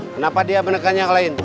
kenapa dia menekan yang lain